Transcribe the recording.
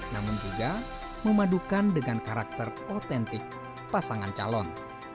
namun juga memadukan dengan karakter otentik pasangan calon